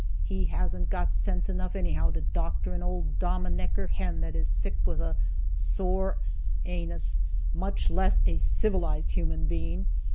He hasn't got sense enough, anyhow, to doctor an old dominecker hen that is sick with a sore [anus], much less a civilized human being.